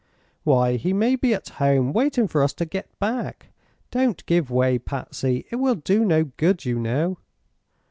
"Why, he may be at home, waiting for us to get back. Don't give way, Patsy; it will do no good, you know."